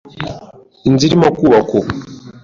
Inzu irimo kubakwa ubu.